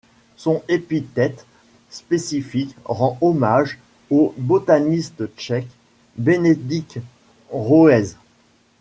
Son épithète spécifique rend hommage au botaniste tchèque Benedict Roezl.